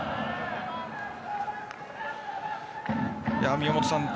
宮本さん